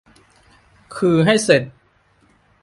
คือให้เสร็จ